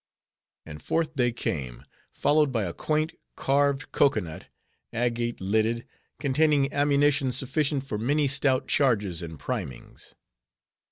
And forth they came, followed by a quaint, carved cocoa nut, agate lidded, containing ammunition sufficient for many stout charges and primings.